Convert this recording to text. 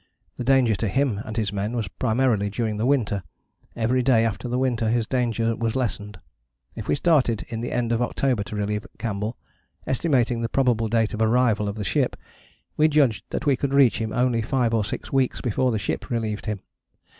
The danger to him and his men was primarily during the winter: every day after the winter his danger was lessened. If we started in the end of October to relieve Campbell, estimating the probable date of arrival of the ship, we judged that we could reach him only five or six weeks before the ship relieved him.